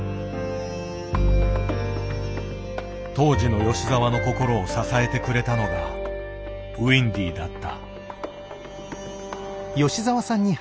当時の吉澤の心を支えてくれたのがウインディだった。